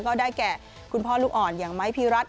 ก็ได้แก่คุณพ่อลูกอ่อนอย่างไม้พี่รัฐ